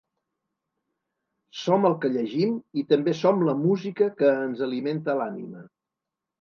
Som el que llegim i també som la música que ens alimenta l’ànima.